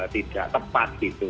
tidak tepat gitu